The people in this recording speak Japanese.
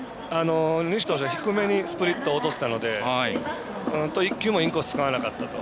西投手低めにスプリットを落としたので１球もインコース使わなかったと。